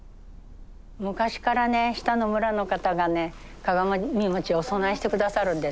昔からね下の村の方がね鏡餅をお供えしてくださるんです。